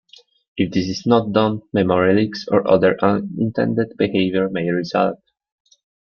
If this is not done, memory leaks or other unintended behavior may result.